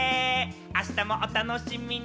あしたもお楽しみに！